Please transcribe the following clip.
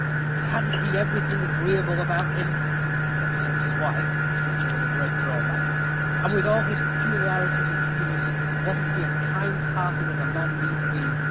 And hadn't he everything agreeable about him, except his wife? which was a great drawback. And with all his peculiarities and humors, wasn't he as kind hearted a man as needs be?